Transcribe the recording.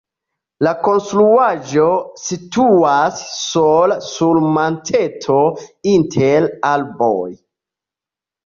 La konstruaĵo situas sola sur monteto inter arboj.